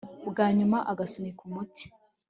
bwanyuma ugasunika umuti